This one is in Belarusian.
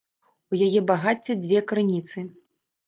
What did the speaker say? У яе багацця дзве крыніцы.